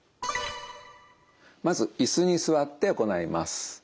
まず椅子に座って行います。